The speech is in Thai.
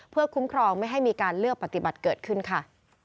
เพื่อคุ้มครองไม่ให้มีการเลือกปฏิบัติเกิดขึ้นค่ะ